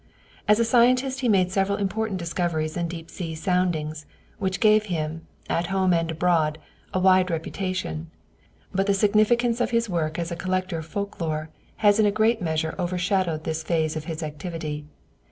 As a scientist he made several important discoveries in deep sea soundings, which gave him, at home and abroad, a wide reputation, but the significance of his work as a collector of folk lore has in a great measure overshadowed this phase of his activity.